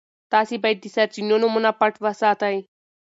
تاسي باید د سرچینو نومونه پټ وساتئ.